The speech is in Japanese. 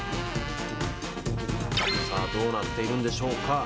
さあ、どうなっているんでしょうか。